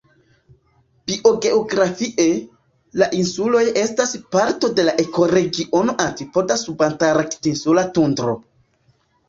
Biogeografie, la insuloj estas parto de la ekoregiono "antipoda-subantarktinsula tundro".